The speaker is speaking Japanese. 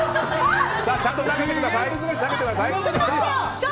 ちゃんと投げてください。